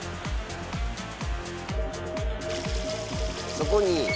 そこに。